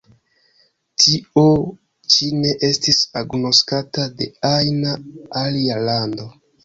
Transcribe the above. Tio ĉi ne estis agnoskata de ajna alia lando.